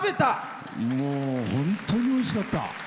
もう、本当においしかった。